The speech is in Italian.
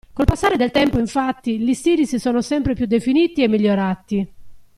Col passare del tempo, infatti, gli stili si sono sempre più definiti e migliorati.